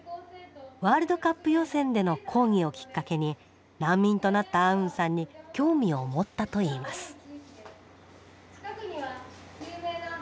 ワールドカップ予選での抗議をきっかけに難民となったアウンさんに興味を持ったといいます。